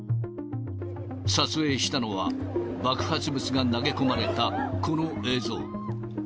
撮影したのは爆発物が投げ込まれたこの映像。